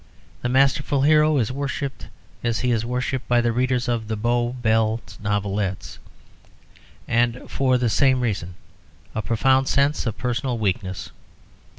The masterful hero is worshipped as he is worshipped by the readers of the "Bow Bells Novelettes," and for the same reason a profound sense of personal weakness.